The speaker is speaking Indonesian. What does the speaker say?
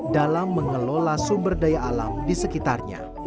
dalam mengelola sumber daya alam di sekitarnya